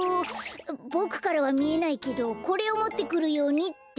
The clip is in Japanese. ボクからはみえないけどこれをもってくるようにって。